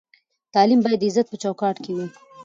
تعلیم باید د عزت په چوکاټ کې وي.